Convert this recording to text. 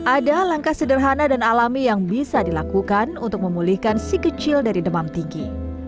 ada langkah sederhana dan alami yang bisa dilakukan untuk memulihkan si kecil dari demam tinggi